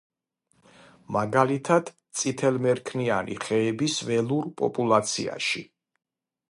მაგალითად, წითელმერქნიანი ხეების ველურ პოპულაციაში.